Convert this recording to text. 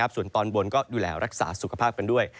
ส่วนตอนบนก็ดูแลรักษาสุขภาพกันด้วย